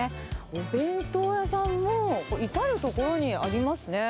お弁当屋さんも、至る所にありますね。